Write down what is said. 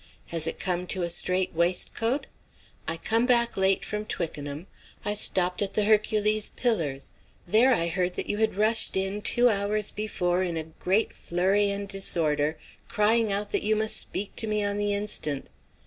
Has it come to a strait waistcoat? I come back late from Twickenham. I stopped at the 'Hercules Pillars.' There I heard that you had rushed in two hours before in a great flurry and disorder, crying out that you must speak to me on the instant.